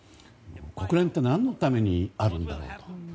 国連って何のためにあるんだろうと。